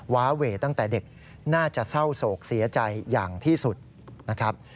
วาเวตั้งแต่เด็กน่าจะเศร้าโศกเสียใจอย่างที่สุดนะครับ